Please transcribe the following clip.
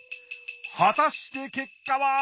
果たして結果は？